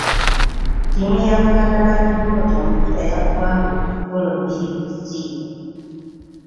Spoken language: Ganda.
Ttiimu ya Buganda Land Board omupiira yaguwangudde eggoolo bbiri ku zziro.